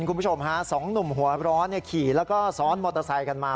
คุณผู้ชมฮะสองหนุ่มหัวร้อนขี่แล้วก็ซ้อนมอเตอร์ไซค์กันมา